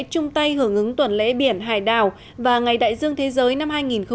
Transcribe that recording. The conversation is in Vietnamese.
trung tây hưởng ứng tuần lễ biển hải đảo và ngày đại dương thế giới năm hai nghìn một mươi tám